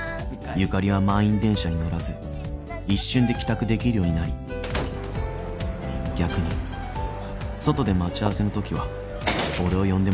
［ゆかりは満員電車に乗らず一瞬で帰宅できるようになり逆に外で待ち合わせのときは俺を呼んでもらった］